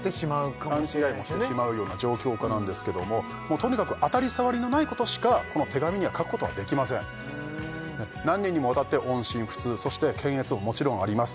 勘違いもしてしまうような状況下なんですけどももうとにかく当たり障りのないことしかこの手紙には書くことはできません何年にもわたって音信不通そして検閲ももちろんあります